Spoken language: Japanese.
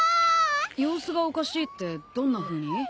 様子がおかしいってどんなふうに？